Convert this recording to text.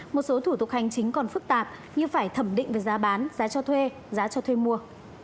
một số thủ tục hành chính còn phức tạp như phải thẩm định về giá bán giá cho thuê giá cho thuê mua